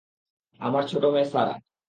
আমার ছোট মেয়ে স্যারা।